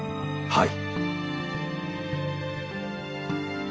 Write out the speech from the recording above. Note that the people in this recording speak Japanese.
はい。